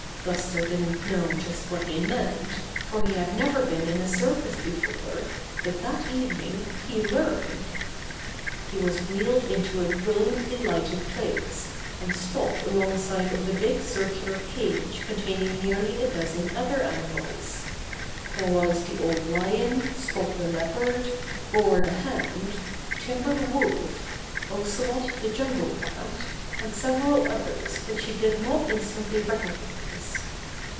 Buster didn't know just what they meant, for he had never been in a circus before, but that evening he learned. He was wheeled into a brilliantly lighted place and stopped alongside of a big circular cage containing nearly a dozen other animals. There was the Old Lion, Spot the Leopard, Boar the Hound, Timber the Wolf, Ocelot the Jungle Cat, and several others which he did not instantly recognize.